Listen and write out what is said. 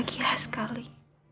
aku bahagia sekali